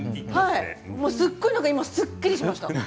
すごいすっきりしました。